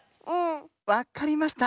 わかりました。